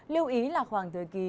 lưu ý là khoảng thời kỳ